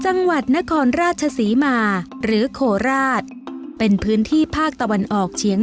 จังหวัดนครราชศรีมาหรือโคราชเป็นพื้นที่ภาคตะวันออกเฉียง